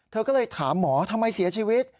เธอก็เลยถามหมอทำไมเสียชีวิต